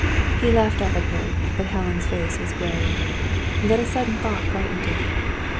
He laughed up at her, but Helen's face was grave. Then a sudden thought brightened it.